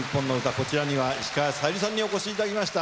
こちらには石川さゆりさんにお越しいただきました。